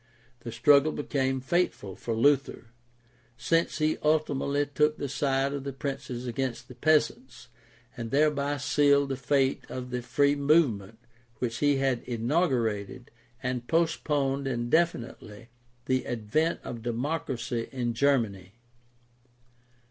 The struggle became fateful for Luther, since he ultimately took the side of the princes against the peasants, and thereby sealed the fate of the free movement which he had inaugurated and 368 GUIDE TO STUDY OF CHRISTIAN RELIGION postponed indefinitely the advent of democracy in Germany.